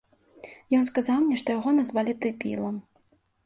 Ён сказаў мне, што яго назвалі дэбілам.